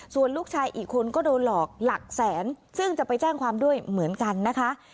ส่วนลูกชายอีกคนก็โดนหลอกหลักแสนซึ่งจะไปแจ้งความด้วยเหมือนกันนะคะ